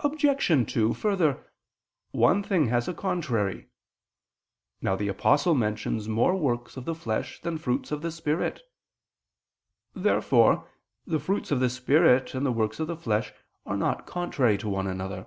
Obj. 2: Further, one thing has a contrary. Now the Apostle mentions more works of the flesh than fruits of the Spirit. Therefore the fruits of the Spirit and the works of the flesh are not contrary to one another.